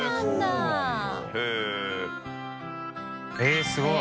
えっすごい。